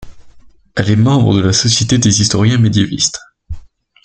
Elle est membre de la Société des historiens médiévistes.